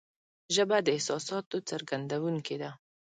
ژبه د احساساتو څرګندونکې ده